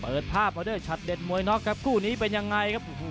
เปิดภาพชัดเด็ดมวยอีกหนึ่งคู่นี้เป็นอย่างไรครับ